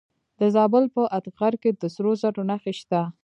د زابل په اتغر کې د سرو زرو نښې شته.